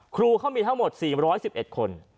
ครูเขามีทั้งหมด๔๑๑คน